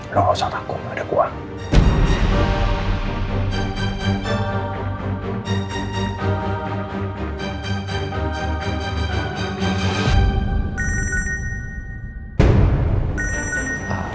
lo gak usah takut sama adik gue